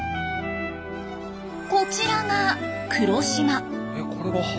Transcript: こちらが黒島。